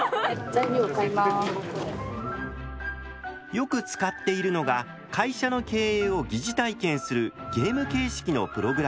よく使っているのが会社の経営を疑似体験するゲーム形式のプログラム。